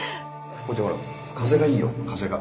孝ちゃんほら風がいいよ風が。